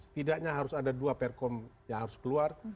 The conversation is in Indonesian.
setidaknya harus ada dua perkom yang harus keluar